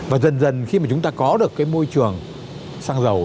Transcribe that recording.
và dần dần khi mà chúng ta có được cái môi trường xăng dầu